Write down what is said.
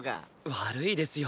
悪いですよ